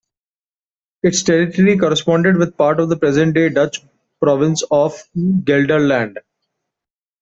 Its territory corresponded with part of the present-day Dutch province of Gelderland.